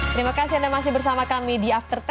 terima kasih anda masih bersama kami di after sepuluh